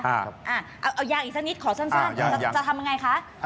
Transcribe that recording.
เอายางอีกสักนิดขอสั้นจะทำยังไงคะ